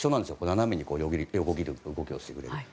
斜めに横切る動きをしてくれるのは。